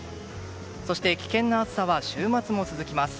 そして危険な暑さは週末も続きます。